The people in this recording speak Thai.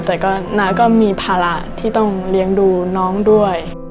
แต่ก็น้าก็มีภาระที่ต้องเลี้ยงดูน้องด้วย